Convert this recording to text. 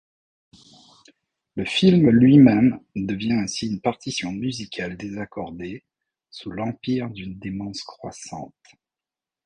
Le film lui-même devient ainsi une partition musicale désaccordée sous l’empire d’une démence croissante.